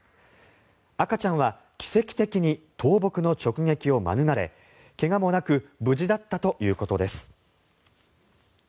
赤ちゃんは奇跡的に倒木の直撃を免れ怪我もなく無事だったということです。